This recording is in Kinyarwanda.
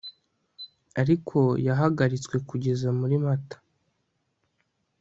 ariko yahagaritswe kugeza muri mata